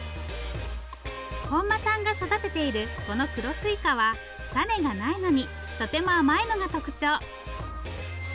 本間さんが育てているこの黒すいかは種がないのにとても甘いのが特徴。